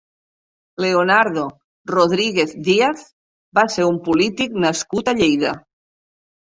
Leonardo Rodríguez Díaz va ser un polític nascut a Lleida.